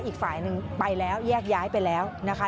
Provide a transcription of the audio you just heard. อีกฝ่ายหนึ่งไปแล้วแยกย้ายไปแล้วนะคะ